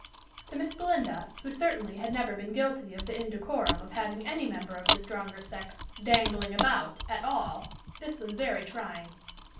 To Miss Belinda, who certainly had never been guilty of the indecorum of having any member of the stronger sex "dangling about" at all, this was very trying.